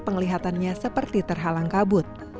penglihatannya seperti terhalang kabut